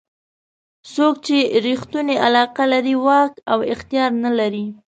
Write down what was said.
څوک چې ریښتونې علاقه لري واک او اختیار نه لري.